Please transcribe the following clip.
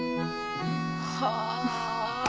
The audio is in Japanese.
はあ。